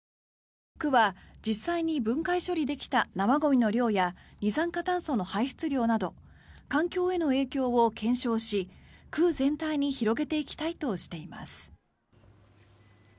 区は、実際に分解処理できた生ゴミの量や二酸化炭素の排出量など環境への影響を検証し区全体に広げていきたいとしています。